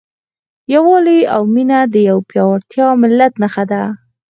یووالی او مینه د یو پیاوړي ملت نښه ده.